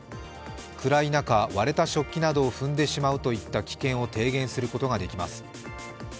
暗い中、割れた食器などを踏んでしまうといった危険を低減することができます。